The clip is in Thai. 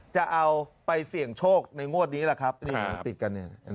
จะเอาไปเสี่ยงโชคในงวดนี้แหละครับ